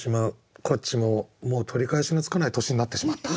こっちももう取り返しのつかない年になってしまった。